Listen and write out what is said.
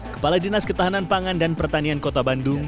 kepala dinas ketahanan pangan dan pertanian kota bandung